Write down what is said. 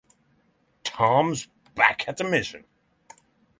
Tom's back at the mission.